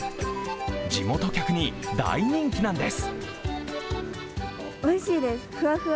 地元客に大人気なんです。